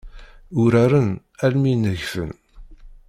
Uraren almi i negfen.